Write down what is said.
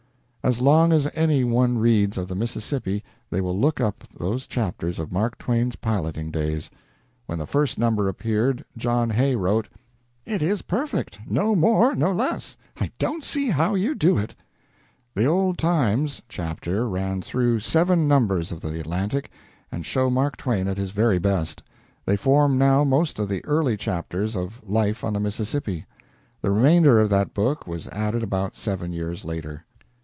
As long as any one reads of the Mississippi they will look up those chapters of Mark Twain's piloting days. When the first number appeared, John Hay wrote: "It is perfect; no more, no less. I don't see how you do it." The "Old Times" chapter ran through seven numbers of the "Atlantic," and show Mark Twain at his very best. They form now most of the early chapters of "Life on the Mississippi." The remainder of that book was added about seven years later.